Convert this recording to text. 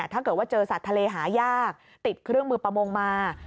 ถ้าเกิดว่าเจอสัตว์ทะเลหายากติดเครื่องมือประมงมา